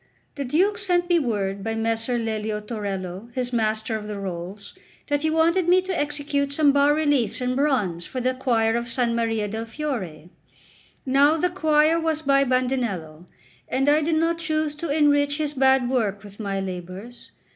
XCVIII THE DUKE sent me word by Messer Lelio Torello, his Master of the Rolls, that he wanted me to execute some bas reliefs in bronze for the choir of S. Maria del Fiore. Now the choir was by Bandinello, and I did not choose to enrich his bad work with my labours.